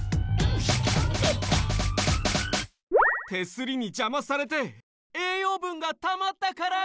手すりにじゃまされて栄養ぶんがたまったから！